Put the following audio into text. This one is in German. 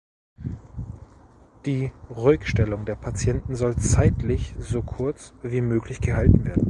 Die Ruhigstellung der Patienten soll zeitlich so kurz wie möglich gehalten werden.